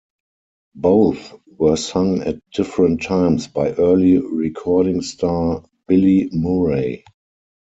Both were sung at different times by early recording star Billy Murray.